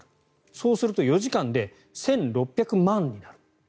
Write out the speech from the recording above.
そうすると４時間で１６００万になる。